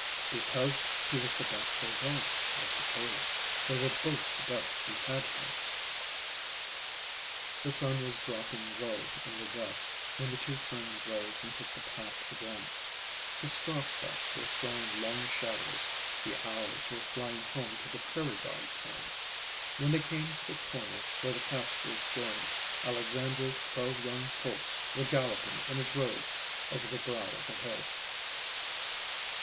"Because he was the best there was, I suppose. They were both the best you had here." The sun was dropping low in the west when the two friends rose and took the path again. The straw stacks were throwing long shadows, the owls were flying home to the prairie dog town. When they came to the corner where the pastures joined, Alexandra's twelve young colts were galloping in a drove over the brow of the hill.